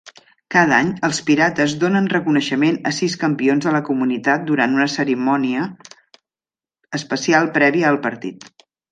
Cada any, els Pirates donen reconeixement a sis campions de la comunitat durant una cerimònia especial prèvia al partit.